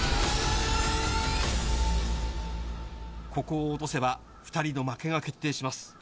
ここを落とせば２人の負けが決定します。